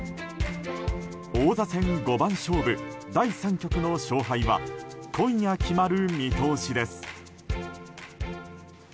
王座戦五番勝負、第３局の勝敗は今夜決まる見通しです。